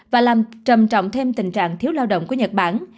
và làm trầm trọng thêm tình trạng thiếu lao động của nhật bản